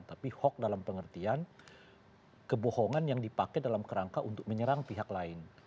tapi hoax dalam pengertian kebohongan yang dipakai dalam kerangka untuk menyerang pihak lain